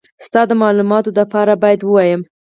ستا د مالوماتو دپاره بايد ووايم.